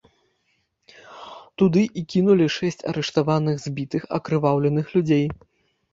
Туды і кінулі шэсць арыштаваных, збітых, акрываўленых людзей.